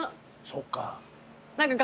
そっか。